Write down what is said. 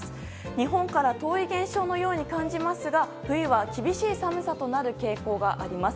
日本から遠い現象のように感じますが冬は厳しい寒さとなる傾向があります。